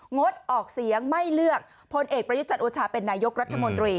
งดออกเสียงไม่เลือกพลเอกประยุจันทร์โอชาเป็นนายกรัฐมนตรี